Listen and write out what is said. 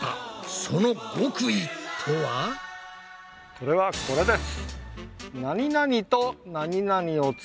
それはこれです。